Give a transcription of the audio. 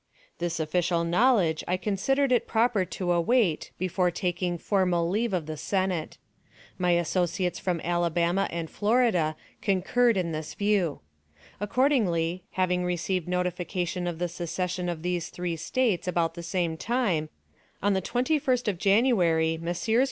This official knowledge I considered it proper to await before taking formal leave of the Senate. My associates from Alabama and Florida concurred in this view. Accordingly, having received notification of the secession of these three States about the same time, on the 21st of January Messrs.